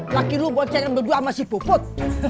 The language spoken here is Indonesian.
laki lu buat channel berdua sama si puput